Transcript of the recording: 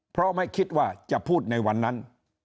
เพราะไม่คิดว่าจะพูดในวันนั้น